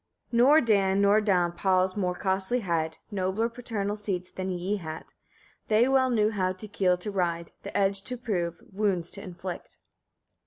45. Nor Dan nor Danp halls more costly had, nobler paternal seats, than ye had. They well knew how the keel to ride, the edge to prove, wounds to inflict.